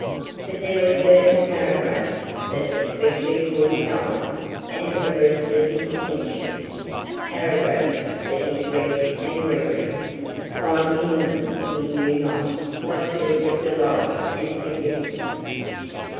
But there were certain paragraphs that especially caught his eye and arrested his attention, paragraphs that he read and reread, finding in them he knew not what secret delight and significance.